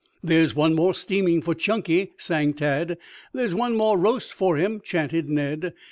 "There's one more steaming for Chunky," sang Tad. "There's one more roast for him," chanted Ned.